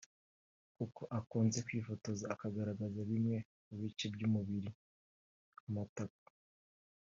kuko akunze kwifotoza agaragaza bimwe mu bice by’umubiri nk’amatako